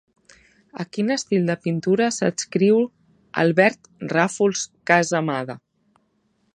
A quin estil de pintura s'adscriu Albert Ràfols Casamada?